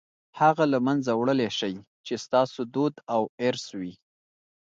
هغه له منځه وړلای شئ چې ستاسو دود او ارث وي.